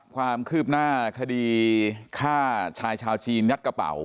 ความคืบหน้าคดีฆ่าชายชาวจีนยัดกระเป๋า